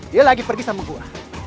dia lagi pergi sama gue